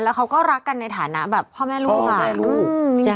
แล้วเขาก็รักกันในฐานะแบบพ่อแม่ลูกหลาน